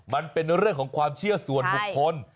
มันเป็นเรื่องของความเชื่อส่วนบุคคล